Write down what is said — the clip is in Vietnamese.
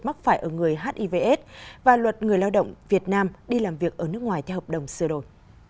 mắc phải ở người hiv aids và luật người lao động việt nam đi làm việc ở nước ngoài theo hợp đồng sửa đổi